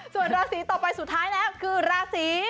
ส่วนราศีต่อไปสุดท้ายแล้วคือราศี